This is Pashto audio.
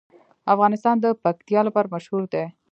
افغانستان د پکتیا لپاره مشهور دی.